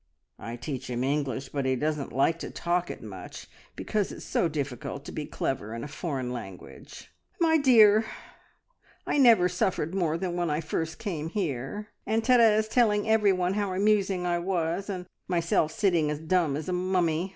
I teach him English, but he doesn't like to talk it much, because it's so difficult to be clever in a foreign language. "`My dear, I never suffered more than when I first came here, and Therese telling everyone how amusing I was, and myself sitting as dumb as a mummy!